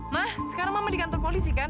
mah sekarang mama di kantor polisi kan